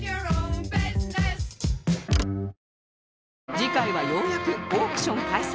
次回はようやくオークション開催